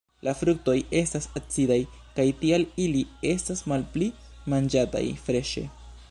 La fruktoj estas acidaj kaj tial ili estas malpli manĝataj freŝe.